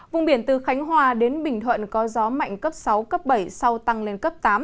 vùng biển từ khánh hòa đến bình thuận có gió mạnh cấp sáu cấp bảy sau tăng lên cấp tám